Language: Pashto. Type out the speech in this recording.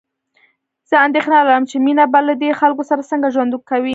زه اندېښنه لرم چې مينه به له دې خلکو سره څنګه ژوند کوي